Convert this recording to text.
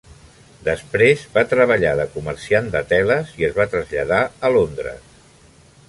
Després va treballar de comerciant de teles i es va traslladar a Londres.